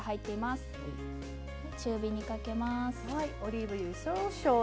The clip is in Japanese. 中火にかけます。